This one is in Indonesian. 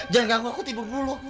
jangan ganggu aku tidur dulu